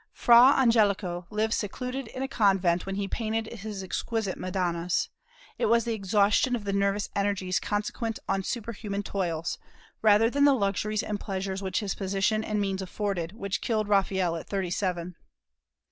Fra Angelico lived secluded in a convent when he painted his exquisite Madonnas. It was the exhaustion of the nervous energies consequent on superhuman toils, rather than the luxuries and pleasures which his position and means afforded, which killed Raphael at thirty seven.